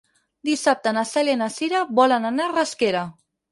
Dissabte na Cèlia i na Cira volen anar a Rasquera.